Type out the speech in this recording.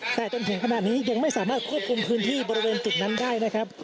แต่จนถึงขณะนี้ยังไม่สามารถควบคุมพื้นที่บริเวณจุดนั้นได้นะครับ